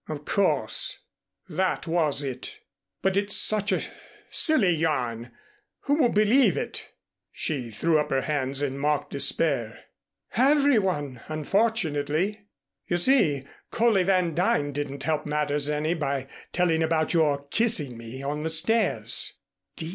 "Of course that was it. But it's such a silly yarn. Who will believe it ?" She threw up her hands in mock despair. "Every one unfortunately. You see Coley Van Duyn didn't help matters any by telling about your kissing me on the stairs."